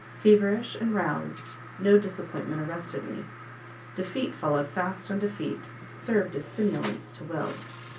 Feverish and roused, no disappointment arrested me; defeat following fast on defeat served as stimulants to will.